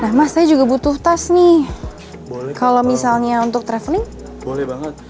nah mas saya juga butuh tas nih kalau misalnya untuk traveling boleh banget